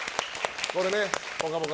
これね、「ぽかぽか」